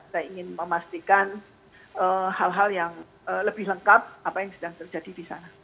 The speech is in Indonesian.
saya ingin memastikan hal hal yang lebih lengkap apa yang sedang terjadi di sana